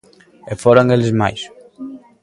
E foran eles mais!